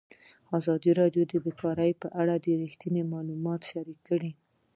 ازادي راډیو د بیکاري په اړه رښتیني معلومات شریک کړي.